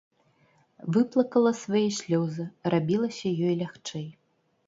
Выплакала свае слёзы, рабілася ёй лягчэй.